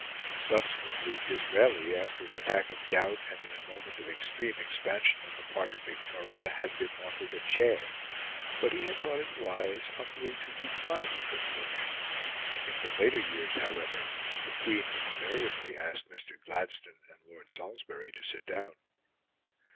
Subsequently, Disraeli, after an attack of gout and in a moment of extreme expansion on the part of Victoria, had been offered a chair; but he had thought it wise humbly to decline the privilege. In her later years, however, the Queen invariably asked Mr. Gladstone and Lord Salisbury to sit down.